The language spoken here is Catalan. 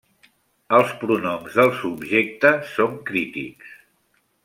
Els pronoms del subjecte són crítics.